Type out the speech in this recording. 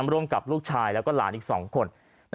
ร่วมกับลูกชายแล้วก็หลานอีก๒คน